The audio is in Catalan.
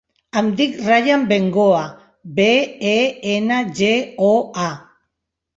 Em dic Rayan Bengoa: be, e, ena, ge, o, a.